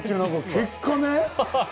結果ね？